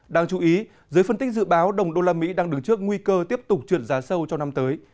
đáng chú ý dưới phân tích dự báo đồng usd đang đứng trước nguy cơ tiếp tục trượt giá sâu cho năm tới